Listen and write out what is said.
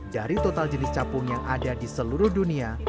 dari total jenis capung yang ada di seluruh dunia